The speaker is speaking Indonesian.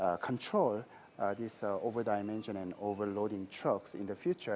untuk mengawal kendaraan yang mengisi kelebihan di jalan dan di jalan depan